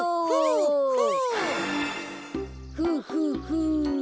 フフフ。